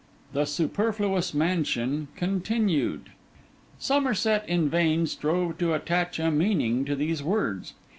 THE SUPERFLUOUS MANSION (Continued) Somerset in vain strove to attach a meaning to these words.